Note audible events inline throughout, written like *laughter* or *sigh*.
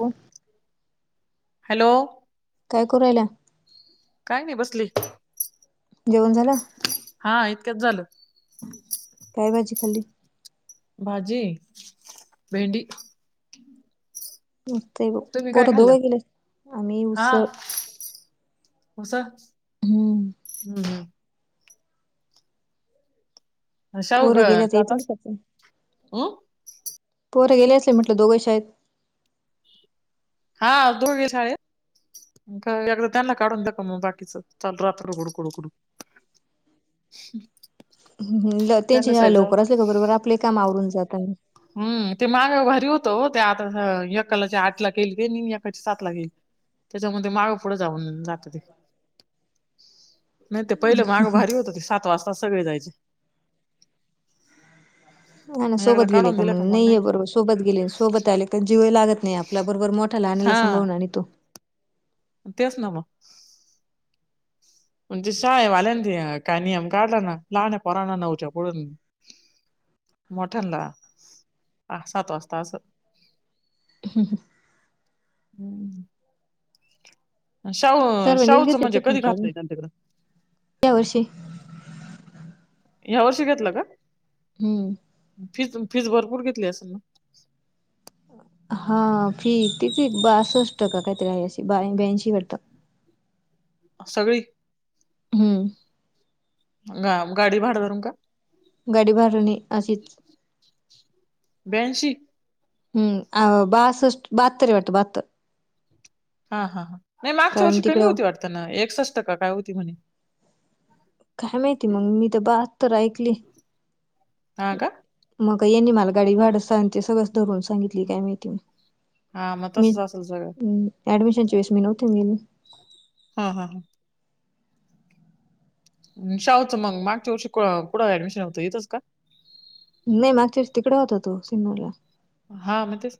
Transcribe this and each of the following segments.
हो. हॅलो. काय करायला? काय नाही बसली. जेवन झालं? हा इतक्याच झालं. काय भाजी खाल्ली? भाजी? भेंडी. पुरतंय व तुम्ही काय पोरं खाल्लं दोघं गेलेय, आम्ही उसळ उसळ, हम्म कशाव ग पोरं गेल्याच येतील जातास, का पण? हम्म पोरं गेले असले म्हटलं दोघेही शाळेत. हा, दोघे शाळेत का एकदा त्यांना काढून दाखवा मग बाकीचं, चाल रात्र कुडू कुडू कुडू. *unintelligible* हम त्यांना त्यांच्या शाळा शाळेत जाऊ लवकर असल्या का बरोबर आपले ही काम आवरून जातान. हम्म, ते माग भारी होतं ओ, त्या आता एकालाची आठ ला गेली आणि एकाची सात ला गेली. त्याच्यामध्ये मागं- पुढं जाऊन जात ते. *inaudible* नाही ते पहिले मागं भारी होतं ते, सात वाजताच सगळे जायचे. हा ना मग एकदा सोबत गेले काढून का दिलं मग, नाही नाहीे बरोबर सोबत गेले सोबत आले का जीवय लागत नाही आपला, बरोबर मोठा लहानाला हा सांभाळून आणितो. तेच ना मग. पण ते शाळेवाले ना ते, काय नियम काढला ना लहान्या पोरांना नऊच्या पुढून मोठ्यांला, आ सात वाजता असं *unintelligible* हम्म शाव, सर्वांनीच शाहुचं म्हणजे घेतल्याच्यातून कधी काढून घातलंय त्यांच्याकडें? या वर्षी ह्या वर्षी घेतलं का? हम्म फीज फीस भरपूर घेतली असेल ना? हा फी किती, बासष्ट का कायतरी आहे अशी बा ब्याऐंशी आहे वाटतं. सगळी हम्म ग गाडी भाडं धरून का? गाडी भाडं नाही, अशीच ब्याऐंशी हम्म, आ बासष्ट बाहात्तर हाय वाटतं बाहात्तर. हा हा हा, नाही मागच्या कारण वर्षी कमी तिकडं होती वाटतं ना, एकसष्ट का काय होती म्हणे. काय माहिती मग, मी तर बा हत्तर ऐकली. हा का? मग यांनी मला गाडी भाडं सांग ते सगळंच धरून सांगितलं. ती काय माहिती नाही, हा मग मी तसंच असेल सगळं ऍडमिशनच्या वेळेस मी नव्हती ना गेले. हा हा हा शाहुचं मग मागच्या वर्षी क कुठं ऍडमिशन होतं, इथंच का? नाय मागच्या वर्षी तिकडं होता तो, सिन्नरला. हा मग तेच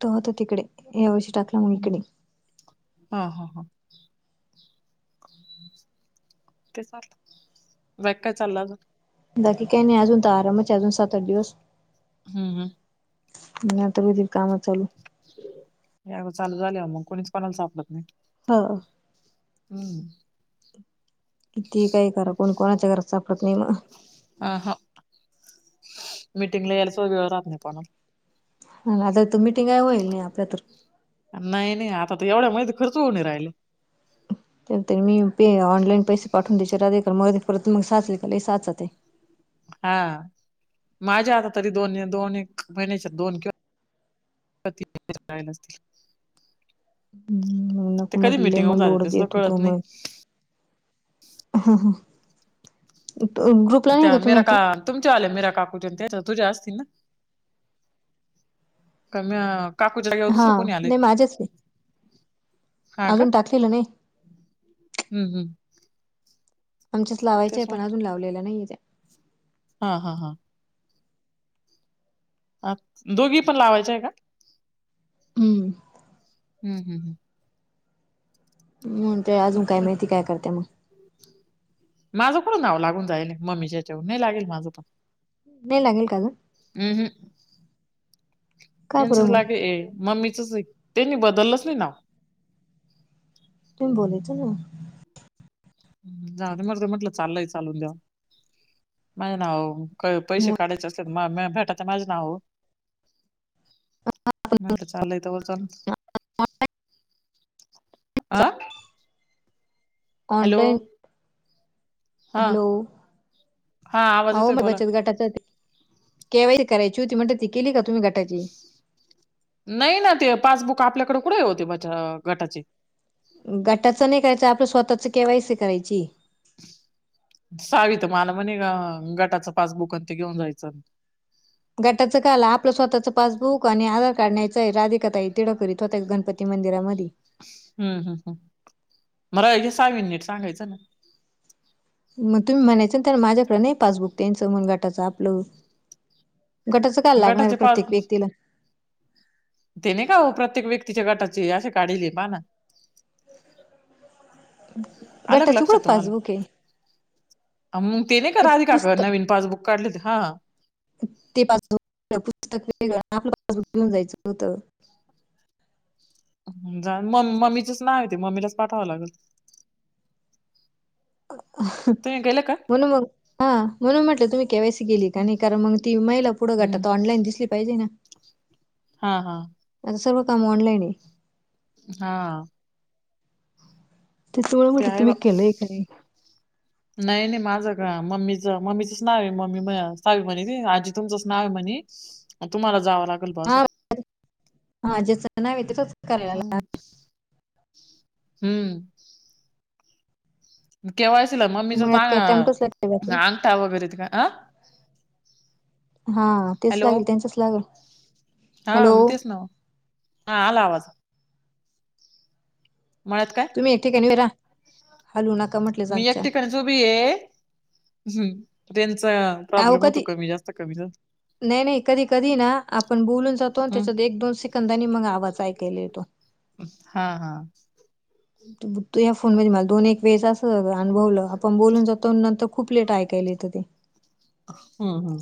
तो होता तिकडे, यावर्षी टाक हम्म, हा हा हा. तेच *unintelligible* बाकी काय चाललंय अजून? बाकी काय नाही, अजून तर आरामच आहे सात आठ दिवस. हम्म हम्म आणि आता मी रिकाम चालू *inaudible* चालू झाल्यावर मग कोणीच कोणाला सापडत नाय. हो हम्म कितीही काही करा, कोण कोणाच्या घरात सापडत नाही म्हणा. अ ह. मीटिंगला याललासुध्दा वेळ रात नाही कोणाला. ह आता त मिटिंग इ होएल नाई आपल्या तर. नाई नाई. आता त एवढ्या मधे खरंच होऊणे राहिले. तरी मी यु पे ऑनलाईन पैसे पाठवून *inaudible* परत मग साचले का लई साचताय. हा. माझ्या आता तरी दोन दोन एक महिन्याच्या दोन किंवा *unintelligible* हम ते नको कधी म्हटले मिटिंग म होऊन जाते लोड ते च सुद्धा येतो तो कळत नाही. मग. ह ह. तो ग्रुप त्या मेरा का तुमच्या वाल्या मिरा काकूच्यान त्याचा तुझ्या आसतील ना. का म काकुच्या जागेव हा दुसरं कोणी आलंय. नाही माझ्याच आहे हा का? अजून टाकलेलं नाही हम्म हम्म. आमच्याच लावायच्या तेच ए पण म्हटलं अजून लावलेल्या नाही येत्या. हा हा हा. आ, दोघी पण लावायच्या ए का? हम्म. हम् हम् ह. *inaudible* अजून काय हम्म. माहिती काय करत्या म. माझं कुठं नाव लागून जाएले मम्मीच्या याच्यावर. नाही लागेल माझं पण. नाई लागेल का ग? अ ह. का बरं यांचच मग लागे ए मम्मीचचे त्यांनी बदललं च नाई नाव. तुम्ही बोलायचं ना. जाऊ दे मरू दे म्हंटलं. चाललंय चालू द्या. माझं नाव प पैशे काढायचे असले त म म माझ्याच नाववर म्हटल चाललंय तोवर चालू अं? ऑनलाईन हा हॅलो! हा आवाज आओ येतोय मी बोला. बचत गटाचं केवायची करायची होती म्हणल ती केली का तुम्ही गटाची? नाही ना. ते पासबुक आपल्याकडं कुटे होते गटाचे. गटाचं नाई करयचं. आपलं स्वतःचं केवायसी करायची. सावी तर माला म्हणे ग गटाचं पासबुक न ते घेऊन जायचं. गटाचं काहाला, आपलं स्वतःचं पासबुक आणि आधार कार्ड न्यायचं ए. राधिका ताई तिढं करीत होत्या गणपती मंदिरामधे. हम्म हम् हम् *inaudible* सावि नी नीट सांगायचं ना. म तुम्ही म्हणायचं तर माझ्याकड नाही पासबुक त्यांचं म गटाच आपलं. गटाचं कायला लागणार ए गटाचे पाच प्रत्येक व्यक्तीला? ते नाई का हो प्रत्येक व्यक्तीच्या गटाचे अशे काढेले पा ना. आलं का गटाचं कुठं लक्षात तुम्हाला? पासबुक आहे म ते नाई का राधिका कड नवीन पासबुक काढले ते हा हा. ते पासबक पुस्तक वेगळं आपलं पासबुक घेऊन जायचं होतं. जा मम मम्मीच च नाव ए ते मम्मीलाच पाठवावं लागेल. तुम्ही गेले का बोला मग. हा. म्हणून म्हटलं तुम्ही केवायसी केली का नाई कारण मग ती महिला पुढं हम्म गटात ऑनलाईन दिसली पाहिजे ना. हम हा हा. आता सर्व काम ऑनलाईन ए. हा. ते तळं म्हटल आहे बा तुम्ही केलंय का नई. नाही -नाही माझं का? मम्मीचं, मम्मीचंच नावय. मम्मी म सावी म्हणे, आजी तुमचंच नाव आहे म्हनी. तुम्हाला जावं लागेल बा असं. *unintelligible* हा जेचं नावय, तेचच करायला हम्म के वाय सि ला मम्मीचाच मळ्यात काय टॅमॅटोच लागतील अ अंगठा वगैरे त का. अ का हा तेच हॅलो. लागेल त्यांचच लागेल हा हॅलो म तेच नव. हा आला आवाज. मळ्यात काय? मेथी कण वीरा. हलू ना मी एक ठिकाणच ऊबीय. ह, त्यांच अहो प्रॉब्लेम होतो. कधी कमी- जास्त, कमी- जास्त. नाही- नाही. कधी- कधी ना. आपण बोलून जातो. न हम्म त्याच्यात एक - दोन सेकंदांनी मग आवाज ऐकायला येतो. हा, हा. तू या फोन मध्ये मला, दोन - एक वेळेस अस अनुभवलं. आपण बोलून जातो नंतर खूप लेट ऐकायला येतं ते. हम्म, ह.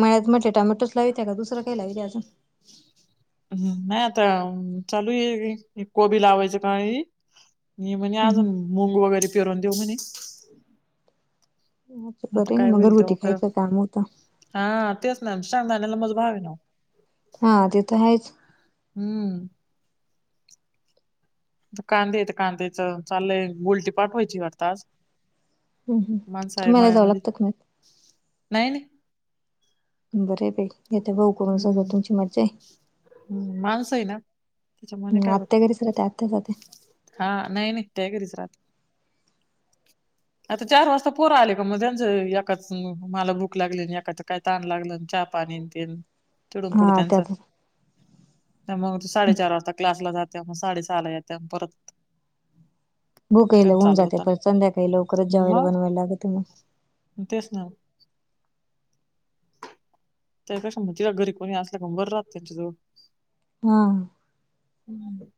मळ्यात म्हटलं, टॉमॅटोच लावित्या का, दुसरं काही लावीत्या अजून. हम्म. नाही आता चालूये कोबी लावायचे का मी म्हणे अजून, मुंग वगैरे पेरवून देऊ म्हणे. आता बरंय न काय मग, होईल घरगुती तेव्हा खरं खायचं काम होत. हा तेच ना. शेंगदाण्याला मज भागलं. हा. तेथं हायच. हम्म. आता कांदेयेत. कांद्याच, चाललंय. गुलटी पाठवायची वाटत आज. हम्, हम. माणसं आहे तुम्हाला जाव मळ्यामध्ये लागतं का मग? नाही - नाही. बरंय बाई. घेतय भाऊ करून सगळं, हम्म तुमची मज्जाय. हम्म. माणसय ना. त्याच्यामुळ नाही हम्म काय आत्या वाटत. घरीच राहते आत्या जाते हा नाही - नाही. ते ही घरीच राहात. आता चार वाजता पोरं आले का. मग त्यांच एकाच मला भूक लागली. आणि एकाच काय ताण लागलं. चहापाणी न ते. तिडून पुड हा त्या त्यांचं. त्या मग ते साडेचार वाजता क्लासला जात्यात. मग साडे सहाला यात्यात. परत भुकेल त्यांचं होऊन चालू जाते. होतं परत संध्याकाळी लवकरच ना जेवायला मग बनवायला लागत म. तेच ना. त्या पेक्षा मग तिला घरी कोणी असल्या का मग बरं राहत तुझं. हा. हम्म.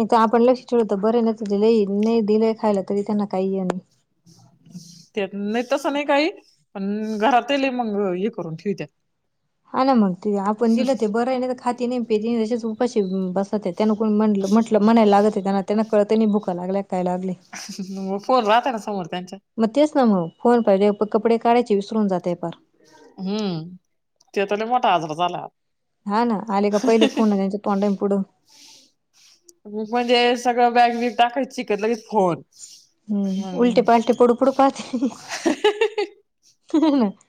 इथं आपण लक्ष ठेवलं तर बरय. नाही तर लय, नाय दिलंय खायला. तरी त्यांना काही हे नाही. *inaudible* त्या ना तसं नाही काही. पण घरातयेल मग हे करून ठेऊत्यात. हा ना मग. ते आपण दिलं ते बरंय. नाही तर खाती ने पीती तशीच उपाशी बसत्या. त्यान कोण म्ह म्हटलं म्हणायला लागत त्यांना. त्यांना कळत नाही. भुक लागल्या काय लागल्या. *unintelligible* फोन राहता ना समोर त्यांच्या. मग तेच ना मग. फोन पाहिले. प कपडे काढायचे विसरून जातय पार. हम्म. ते तर लय मोठा आजार झाला. हा ना. आले का पहिले फोन, त्यांच्या तोंडाई पुढं. म्हणजे, सगळं बॅग - बिग टाकायची, की लगेच फोन. हम्म उलटे पालटे पडू पडू पाहते *unintelligible* *unintelligible*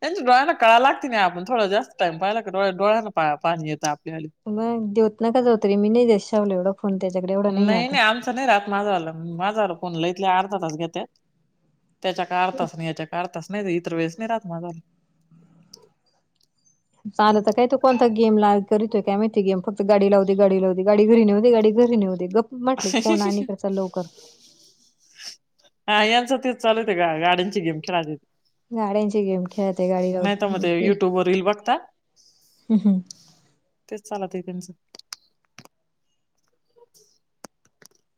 त्यांची डोळ्यांना कळा लागते नाही. आपण थोडा जास्त टाईम पाहायला डो्या- डोळ्याना पाणी येत आपल्याली. मग देत नाका जाऊ. तरी मी नाही देत. शावला एवढा फोन. त्याच्याकडे एवढं नाही आता. नाय रहात माझावाला माझाला फोनला इथले अर्ध तास घेते. त्याच्या का अर्ध तास न याच्या क अर्धा तास नाही इतर वेळेस नाही राहत माझा चाल तर काय तो कोणता गेम करीतय काय माहिती गेम फक्त गाडी लावती गाडी लावती गाडी घरी नेऊदे गाडी घरी घरी नेऊदे गप म्हटल कोण आणि त्याचा लवकर आयन च तेच चालू ते गाड्यांची गेम खेळ गाड्यांची गेम खेळते गाडी नाही तर मग ते लावते युट्यूब वर रील बघता. हम हम. तेच चालते त्यांचं.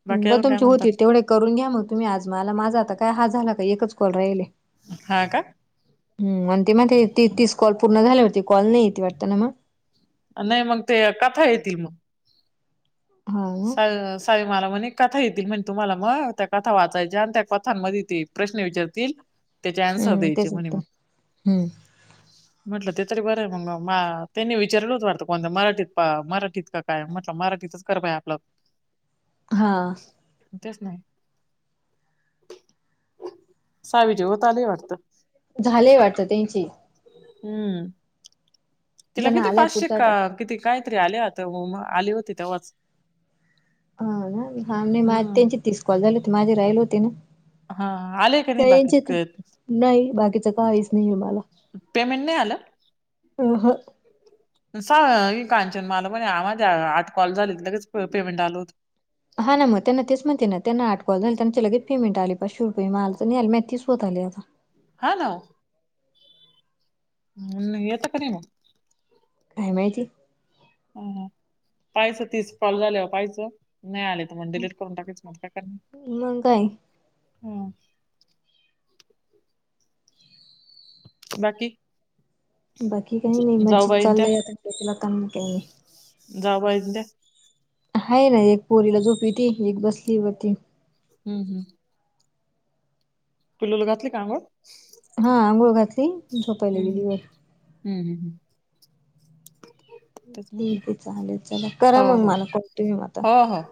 बाकी ब अजून काय तुमचे म्हणता होतील तेवढे करून घ्या मग तुम्ही आज मला माझा आता काय हा झाला का एकच कॉल राहिले. हा का. हम आणि ते मग ते ती तीस कॉल पूर्ण झाल्यावरती कॉल नाही ते वाटत ना मग. नाय मग ते कथा येतील मग. हा ना स *unintelligible* आरे मला म्हण एक कथा येतील म्हणजे तुम्हाला मग त्या कथा वाचायच्या आणि त्या कथामध्ये ते प्रश्न विचारतील. त्याचे आन्सर हम्म द्यायचे तेच म्हणे येतील मग. हम्म. म्हटलं ते तरी बरं आहे मग त्यांनी विचारल वाटतं कोणत मराठीत प मराठीत का. काय म्हटलं मराठीच कर बया आपलं. हा. तेच ना. सावी जेवत आलेय वाटत. झालंय वाटत त्यांची. हम्म तिला त्यांना किती आलाय पाचशे पुढचा का टा किती काय तरी आले आता आली होती तेव्हाच हा ना हा माझ हम्म त्यांची तीस कॉल झाली होती माझे राहिल होते ना. हा आले का नाही त्यायांचीत बाकीचे नाही बाकीच काहीच नाही आहे मला. पेमेंट नाय आलं. अ ह. सा कांचन मला पण माझ्या आठ कॉल झाले लगेच पेमेंट आल होत. हा ना मग त्यांना तेच म्हणते ना त्यांना आट कॉल झाली त्यांना लगे पेमेंट आले पाचशे रुपये माझं नाय आला माझं तीस होत आले आता. हॅलो ह् येत कररी मग *inaudible* काय माहिती? ह पहाच तीस कॉल झाले पायच नाही आले म डिलीट करून टाकायच मग काय करणार मग काय ह. बाकी बाकी काही नाही जाऊ मस्जिद बाईन चालला काही जावहि त्या ह ना एक पोरीला झोपी त एक बसलीवरती हम् हम् पिलूला घातली का अंघोळ हा आंघोळ घातली झोपायला हम्म गेली व हम्म हम्म हम् ह् ठीक आहे चालेल चला करा मग हो मला कॉल तुम्ही मता हो हो